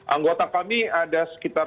anggota kami ada sekitar